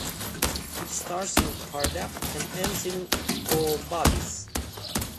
It starts in Hardap and ends in Gobabis.